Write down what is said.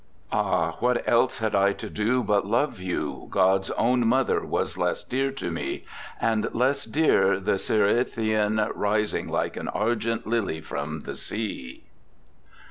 IV. Ah! what else had I to do but love you, God's own mother was less dear to me, And less dear the Cytheræan rising like an argent lily from the sea.